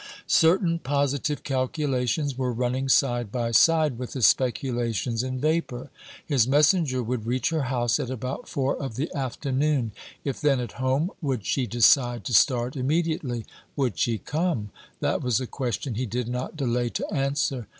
Certain positive calculations were running side by side with the speculations in vapour. His messenger would reach her house at about four of the afternoon. If then at home, would she decide to start immediately? Would she come? That was a question he did not delay to answer.